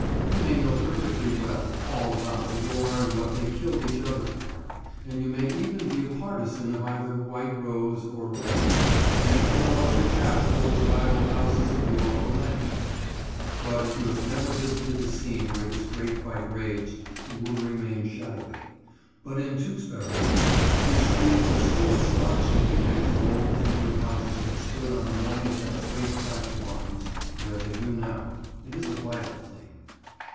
You may know perfectly well "all about the war, and what they killed each other for," and you may even be a partisan of either White Rose or Red, and may throw up your cap for those rival Houses of York or Lancaster; but if you have never visited the scene where this great fight raged, it will remain shadowy. But in Tewkesbury town, whose streets are still astonishingly rich in old timbered houses that stood on the morning of that great clash of arms where they do now, it is a vital thing.